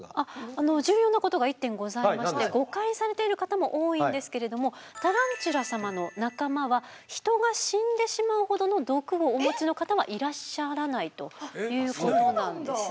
あの重要なことが１点ございまして誤解されている方も多いんですけれどもタランチュラ様の仲間はヒトが死んでしまうほどの毒をお持ちの方はいらっしゃらないということなんですね。